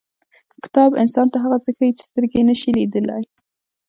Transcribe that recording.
• کتاب انسان ته هغه څه ښیي چې سترګې یې نشي لیدلی.